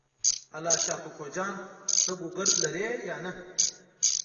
الله شا کوکو جان ته ګوګرد لرې یا نه؟